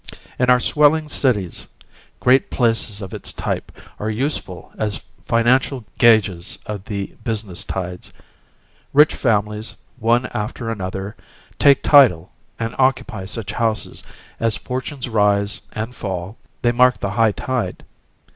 In our swelling cities, great places of its type are useful as financial gauges of the business tides; rich families, one after another, take title and occupy such houses as fortunes rise and fall they mark the high tide.